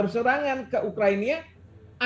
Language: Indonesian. serangan ke ukraina